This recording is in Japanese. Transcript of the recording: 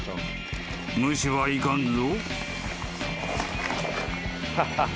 ［無視はいかんぞ］